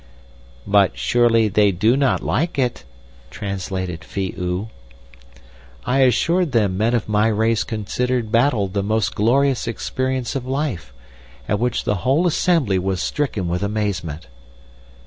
"'But surely they do not like it!' translated Phi oo. "I assured them men of my race considered battle the most glorious experience of life, at which the whole assembly was stricken with amazement.